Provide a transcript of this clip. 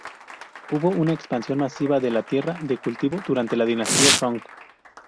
Hubo una expansión masiva de la tierra de cultivo durante la dinastía Song.